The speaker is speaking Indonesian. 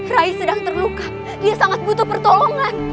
rai sedang terluka dia sangat butuh pertolongan